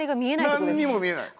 何にも見えない！